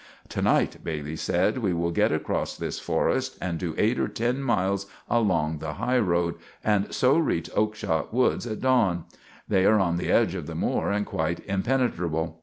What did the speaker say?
"To night," Bailey sed, "we will get across this forest and do eight or ten miles along the high road, and so reach Oakshott Woods at dawn. They are on the edge of the moor and quite impennetrable."